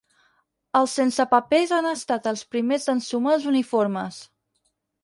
Els sense papers han estat els primers d'ensumar els uniformes.